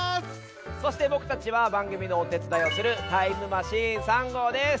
そしてぼくたちはばんぐみのおてつだいをするタイムマシーン３号です。